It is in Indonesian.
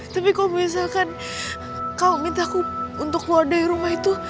tapi kalau misalkan kau mintaku untuk keluar dari rumah itu